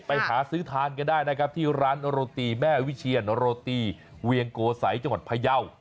ไปหาซื้อทานกันได้นะครับที่ร้านโรตีแม่วิเชียนโรตีเวียงโกสัยจังหวัดพยาว